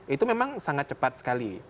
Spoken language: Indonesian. itu memang sangat cepat sekali